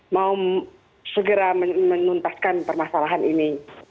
mau segera menuntaskan permasalahan ini